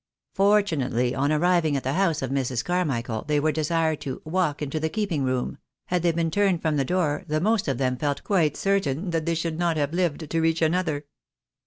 Fortunately, on arriving at the house of Mrs. Carmichael, they were desired to " walk into the keeping room ;" had they been turned from the door, the most of them felt quite certain that they should not have lived to reach another.